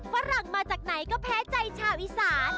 ฝรั่งมาจากไหนก็แพ้ใจชาวอีสาน